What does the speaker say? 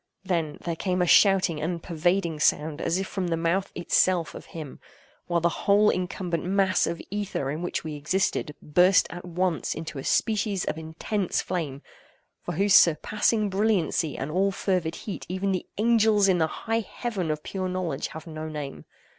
—then, there came a shouting and pervading sound, as if from the mouth itself of HIM; while the whole incumbent mass of ether in which we existed, burst at once into a species of intense flame, for whose surpassing brilliancy and all fervid heat even the angels in the high Heaven of pure knowledge have no name.